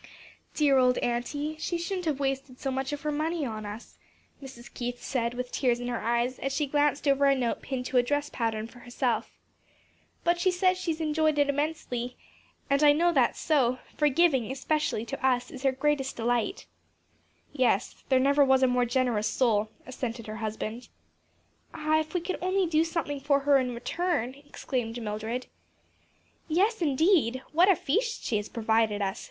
"Dear old auntie! She shouldn't have wasted so much of her money on us," Mrs. Keith said with tears in her eyes, as she glanced over a note pinned to a dress pattern for herself. "But she says she has enjoyed it intensely, and I know that is so; for giving, especially to us, is her greatest delight." "Yes, there never was a more generous soul," assented her husband. "Ah, if we could only do something for her in return!" exclaimed Mildred. "Yes, indeed! what a feast she has provided us!"